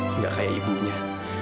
tidak seperti ibunya